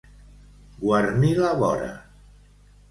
Guarnir la vora.